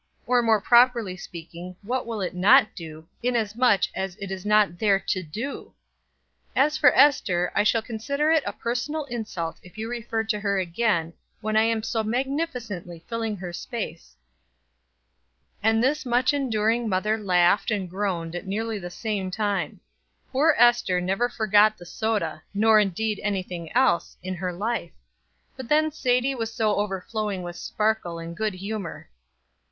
or, more properly speaking, what will it not do, inasmuch as it is not there to do? As for Ester, I shall consider it a personal insult if you refer to her again, when I am so magnificently filling her place." And this much enduring mother laughed and groaned at nearly the same time. Poor Ester never forgot the soda, nor indeed anything else, in her life; but then Sadie was so overflowing with sparkle and good humor.